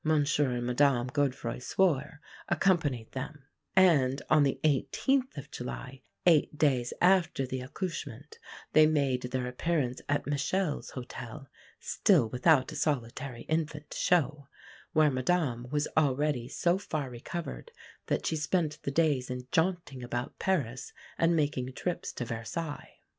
and Mme. Godefroi swore, accompanied them; and on the 18th of July, eight days after the accouchement, they made their appearance at Michele's Hotel (still without a solitary infant to show), where Madame was already so far recovered that she spent the days in jaunting about Paris and making trips to Versailles.